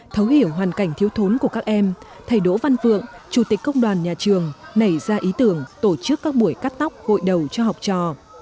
thấu hiểu hoàn cảnh thiếu thốn của các em thầy đỗ văn vượng chủ tịch công đoàn nhà trường nảy ra ý tưởng tổ chức các buổi cắt tóc gội đầu cho học trò